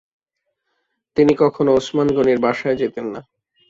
তিনি কখনো ওসমান গনির বাসায় যেতেন না।